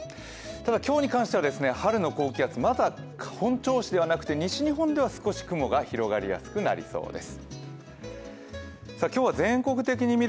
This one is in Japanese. ただ、今日に関しては春の高気圧まだ本調子ではなくて少し雲が広がりやすくなりそうです。